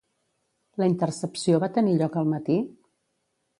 La intercepció va tenir lloc al matí?